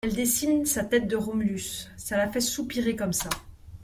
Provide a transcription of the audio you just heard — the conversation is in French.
Elle dessine sa tête de Romulus… ça la fait soupirer comme ça.